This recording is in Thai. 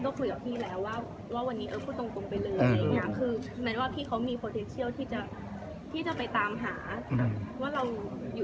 คือมันรู้สึกว่ามันก็คุยกับพี่แล้วว่าวันนี้๔